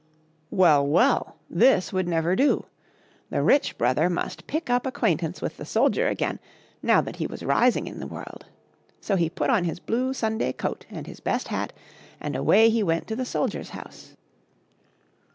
Well, well, this would never do ! The rich brother must pick up ac quaintance with the soldier again, now that he was rising in the world. So he put on his blue Sunday coat and his best hat, and away he went to the soldier's house.